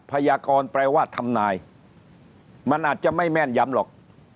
พยากรแปลว่าทำนายมันอาจจะไม่แม่นยำหรอก